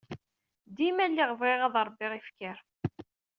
Dima lliɣ bɣiɣ ad ṛebbiɣ ifker.